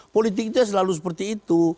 politik itu selalu seperti itu